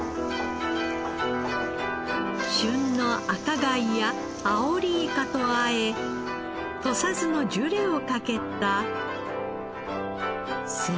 旬の赤貝やアオリイカとあえ土佐酢のジュレをかけた。